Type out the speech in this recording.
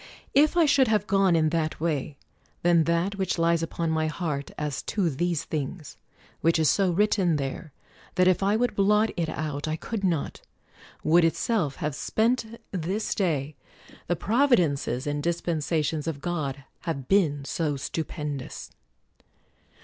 If I should have gone in that way, then that which lies upon my heart as to these things — which is so written there that if I would blot it out I could not — would itself have spent this 118 CROMWELL day: the providences and dispensations of God have been so stupendous.